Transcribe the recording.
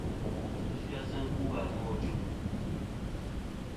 Ndzɨ sɨ-a sɨ ku va nô ajuŋ.